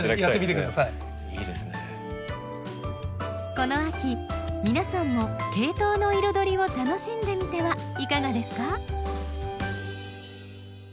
この秋皆さんもケイトウの彩りを楽しんでみてはいかがですか？